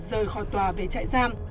rời khỏi tòa về chạy giam